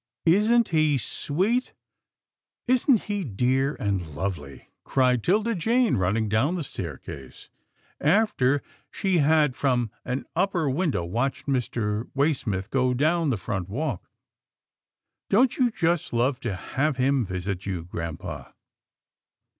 "Isn't he sweet — isn't he dear and lovely?" cried 'Tilda Jane, running down the staircase after she had from an upper window watched Mr. Way smith going down the front walk. " Don't you just love to have him visit you, grampa?